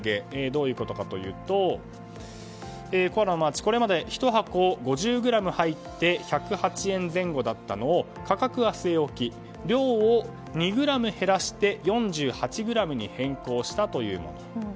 どういうことかというとコアラのマーチ、これまで１箱、５０ｇ入って１０８円前後だったのを価格は据え置き量を２ｇ減らして４８ｇに変更したと。